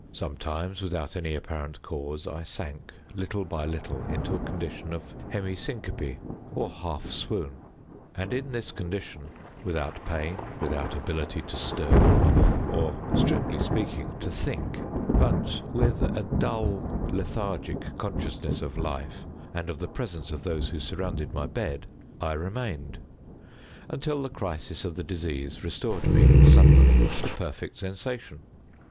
Sometimes, without any apparent cause, I sank, little by little, into a condition of semi syncope, or half swoon; and, in this condition, without pain, without ability to stir, or, strictly speaking, to think, but with a dull lethargic consciousness of life and of the presence of those who surrounded my bed, I remained, until the crisis of the disease restored me, suddenly, to perfect sensation.